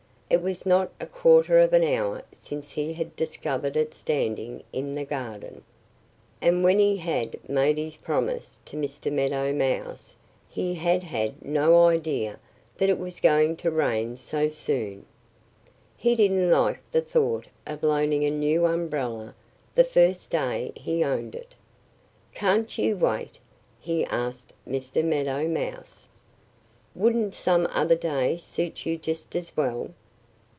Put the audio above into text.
It was not a quarter of an hour since he had discovered it standing in the garden. And when he had made his promise to Mr. Meadow Mouse he had had no idea that it was going to rain so soon. He didn't like the thought of loaning a new umbrella the first day he owned it. "Can't you wait?" he asked Mr. Meadow Mouse. "Wouldn't some other day suit you just as well?"